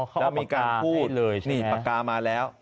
เขามีการพูดนี่ปากกามาแล้ว